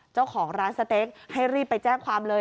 เจ้าของร้านสเต็กให้รีบไปแจ้งความเลย